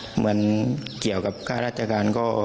เหมือนกับเกี่ยวกับค่าราชการก็